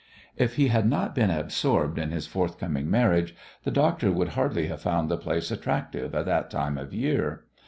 If he had not been absorbed in his forthcoming marriage, the doctor would hardly have found the place attractive at that time of the year.